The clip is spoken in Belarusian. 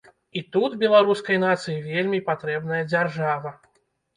І тут беларускай нацыі вельмі патрэбная дзяржава.